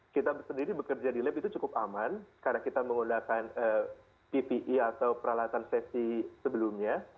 kita sendiri bekerja di lab itu cukup aman karena kita menggunakan ppe atau peralatan safety sebelumnya